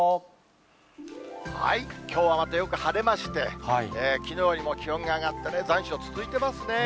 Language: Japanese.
きょうはまたよく晴れまして、きのうよりも気温が上がって、残暑続いてますね。